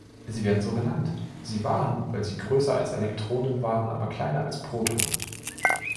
Sie werden so genannt. Sie waren, weil sie größer als Elektronen waren, aber kleiner als Protonen.